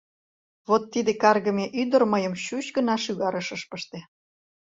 Вот тиде каргыме ӱдыр мыйым чуч гына шӱгарыш ыш пыште.